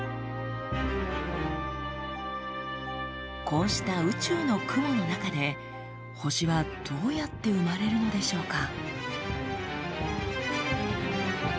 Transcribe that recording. こうした宇宙の雲の中で星はどうやって生まれるのでしょうか？